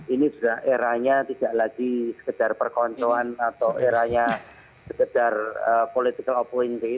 ini sudah eranya tidak lagi sekedar perkonsoan atau eranya sekedar political appointee